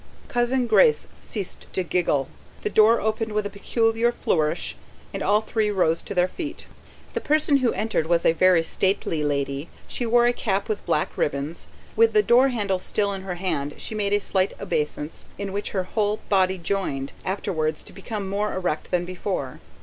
Cousin Grace ceased to giggle; the door opened with a peculiar flourish; and all three rose to their feet. The person who entered was a very stately lady; she wore a cap with black ribbons. With the door handle still in her hand she made a slight obeisance, in which her whole body joined, afterwards to become more erect than before.